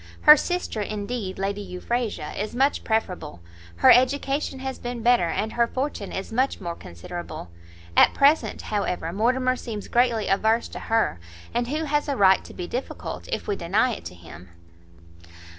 her sister, indeed, Lady Euphrasia, is much preferable, her education has been better, and her fortune is much more considerable. At present, however, Mortimer seems greatly averse to her, and who has a right to be difficult, if we deny it to him?"